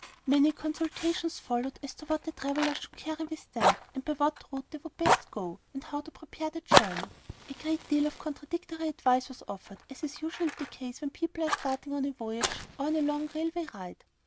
Many consultations followed as to what the travellers should carry with them, by what route they would best go, and how prepare for the journey. A great deal of contradictory advice was offered, as is usually the case when people are starting on a voyage or a long railway ride.